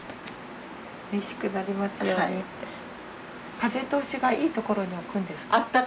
風通しがいい所に置くんですか？